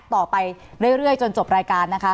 ต่อไปเรื่อยจนจบรายการนะคะ